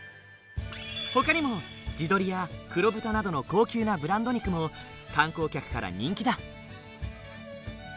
ほかにも地鶏や黒豚などの高級なブランド肉も観光客から人気だ。